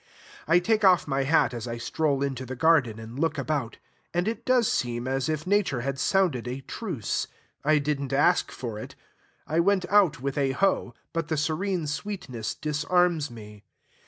I take off my hat as I stroll into the garden and look about; and it does seem as if Nature had sounded a truce. I did n't ask for it. I went out with a hoe; but the serene sweetness disarms me.